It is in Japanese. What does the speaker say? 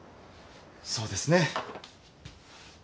そうですね。